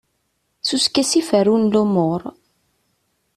S uskasi i ferrun lumuṛ.